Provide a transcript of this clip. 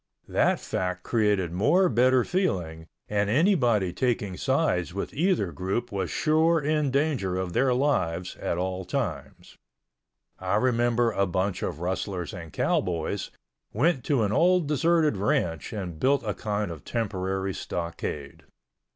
That fact created more bitter feeling and anybody taking sides with either group was sure in danger of their lives at all times. I remember a bunch of rustlers and cowboys, went to an old deserted ranch and built a kind of temporary stockade.